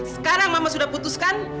sekarang mama sudah putuskan